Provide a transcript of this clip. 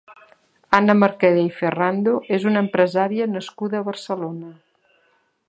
Anna Mercadé i Ferrando és una empresària nascuda a Barcelona.